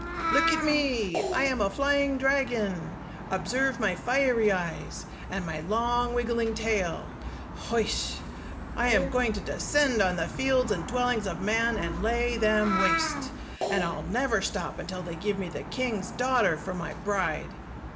Look at me! I am a flying dragon! Observe my fiery eyes, and my long wiggling tail! Hoish! I am going to descend on the fields and dwellings of men, and lay them waste; and I'll never stop till they give me the king's daughter for my bride.